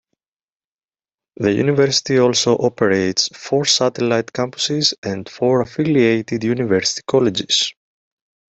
The university also operates four satellite campuses and four affiliated university colleges.